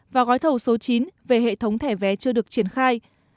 và gói thầu số chín về hệ thống thẻ vé chưa được triển khai